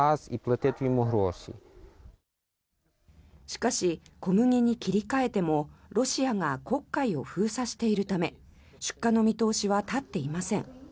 しかし、小麦に切り替えてもロシアが黒海を封鎖しているため出荷の見通しは立っていません。